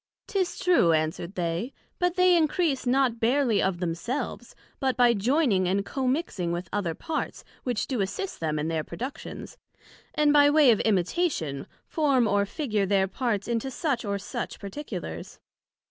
'Tis true, answer'd they: but they increase not barely of themselves, but by joining and commixing with other parts, which do assist them in their productions, and by way of imitation form or figure their own parts into such or such particulars.